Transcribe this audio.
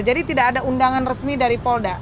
jadi tidak ada undangan resmi dari polda